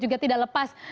juga tidak lepas